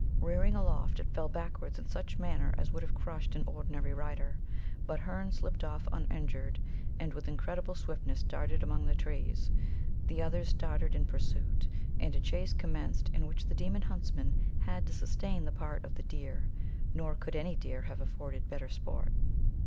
Rearing aloft, it fell backwards in such manner as would have crushed an ordinary rider, but Herne slipped off uninjured, and with incredible swiftness darted among the trees. The others started in pursuit, and a chase commenced in which the demon huntsman had to sustain the part of the deer nor could any deer have afforded better sport.